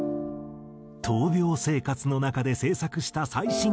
闘病生活の中で制作した最新アルバム。